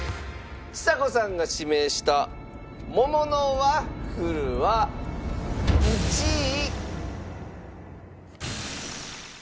ちさ子さんが指名した桃のワッフルは１位。